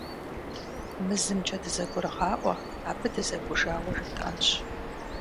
Мы зымкӀэ дызэгурыгъаӀуэ: абы дызэкӀужауэ жетӀэнщ.